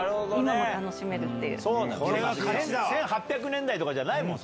１８００年代とかじゃないもん。